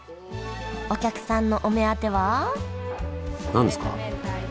お客さんのお目当ては何ですか？